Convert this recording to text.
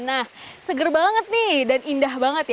nah seger banget nih dan indah banget ya